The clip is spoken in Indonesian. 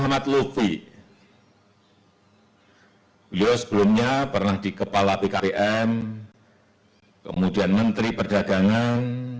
menjadi wakil menteri perdagangan